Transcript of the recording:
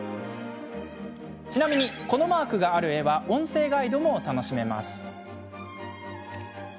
ちなみに、このマークがある絵は音声ガイドも楽しめます。